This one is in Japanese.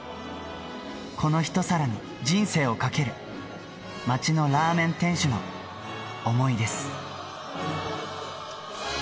この一皿に人生をかける、町のラーメン店主の想いです。